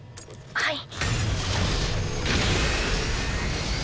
はい。